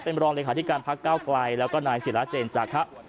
เป็นบรรลองลิขาธิการพักเก้ากลายแล้วก็นายศิราเจนจากครับ